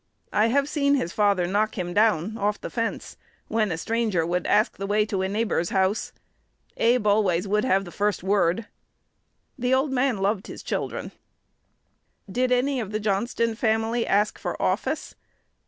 I have seen his father knock him down off the fence when a stranger would, ask the way to a neighbor's house. Abe always would have the first word. The old man loved his children." "Did any of the Johnston family ask for office?"